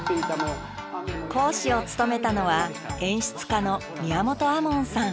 講師を務めたのは演出家の宮本亞門さん。